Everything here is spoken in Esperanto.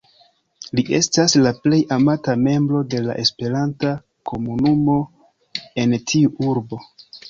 Li estas la plej amata membro de la esperanta komunumo en tiu urbo.